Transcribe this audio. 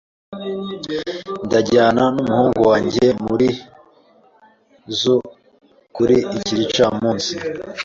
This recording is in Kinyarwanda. Ndajyana umuhungu wanjye muri zoo kuri iki gicamunsi.